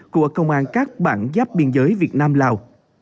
của công an các bản giáp biên giới việt nam lào